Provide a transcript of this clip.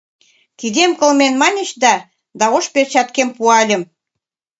Кидем кылмен, маньыч да, да ош перчаткем пуальым